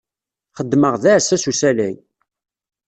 Xeddmeɣ d aɛessas n usalay.